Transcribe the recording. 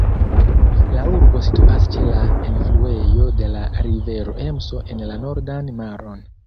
La urbo situas ĉe la enfluejo de la rivero Emso en la Nordan Maron.